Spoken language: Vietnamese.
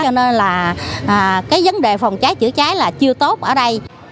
cho nên là cái vấn đề phòng cháy chữa cháy là chưa tốt ở đây